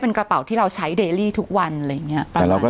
เป็นกระเป๋าที่เราใช้ทุกวันอะไรอย่างเงี้ยแต่เราก็